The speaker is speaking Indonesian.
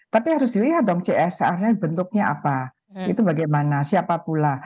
tapi harus dilihat dong csrnya bentuknya apa itu bagaimana siapa pula